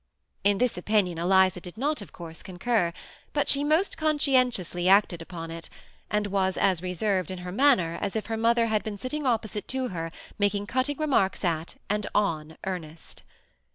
In this opinion Eliza did not of course concur; but she most conscientiously acted upon it, and was as reserved in her manner as if her mother had been sitting oppo site to her, making cutting remarks at and on Ernest.